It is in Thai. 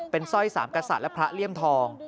เป็นสร้อยสามกษัตริย์และพระเลี่ยมทอง